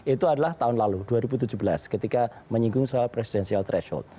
itu adalah tahun lalu dua ribu tujuh belas ketika menyinggung soal presidensial threshold